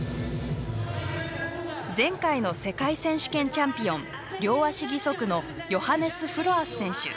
前回の世界選手権チャンピオン両足義足のヨハネス・フロアス選手。